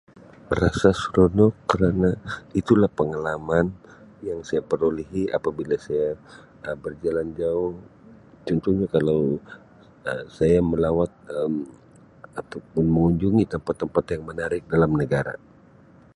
Berasa seronok kerana itulah pengalaman yang saya perolehi apabila saya Um berjalan jauh contohnya kalau Um saya melawat Um ataupun mengunjungi tempat-tempat yang menarik dalam negara.